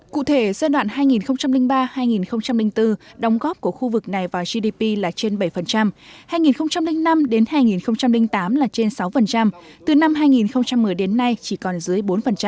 cụ thể giai đoạn hai nghìn ba hai nghìn bốn đóng góp của khu vực này vào gdp là trên bảy hai nghìn năm hai nghìn tám là trên sáu từ năm hai nghìn một mươi đến nay chỉ còn dưới bốn